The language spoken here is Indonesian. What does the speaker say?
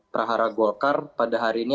prahara golkar pada hari ini